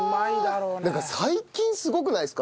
なんか最近すごくないですか？